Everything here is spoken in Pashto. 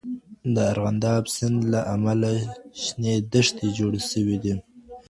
د ارغنداب سیند له امله شنې دښتي جوړې سوي دي.